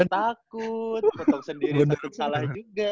potong takut potong sendiri salah juga